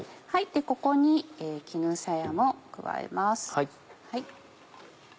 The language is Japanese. ここに絹さやも加えます。